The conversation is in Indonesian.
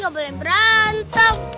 kan kamu kan berantem